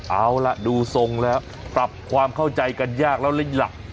เอาล่ะดูทรงแล้วปรับความเข้าใจกันยากแล้วเล่นหลัก